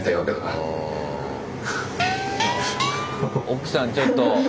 奥さんちょっと。